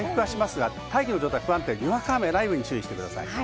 大気の状態が不安定で、にわか雨や雷雨に注意してください。